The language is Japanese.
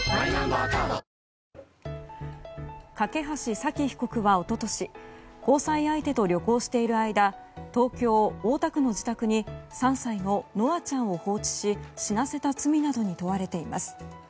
梯沙希被告は一昨年交際相手と旅行している間東京・大田区の自宅に３歳の稀華ちゃんを放置し死なせた罪などに問われています。